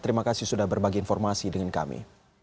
terima kasih sudah berbagi informasi dengan kami